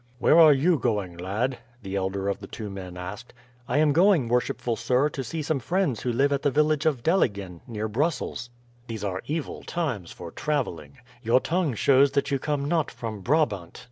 "Where are you going lad?" the elder of the two men asked. "I am going, worshipful sir, to see some friends who live at the village of Deligen, near Brussels." "These are evil times for travelling. Your tongue shows that you come not from Brabant."